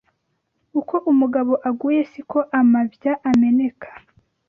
Uko umugabo aguye si ko amabya ameneka